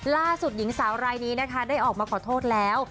ล่าสุดหญิงสาวรายนี้นะคะได้ออกมาขอโทษแล้ว